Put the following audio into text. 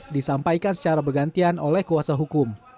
disampaikan secara bergantian oleh kuasa hukum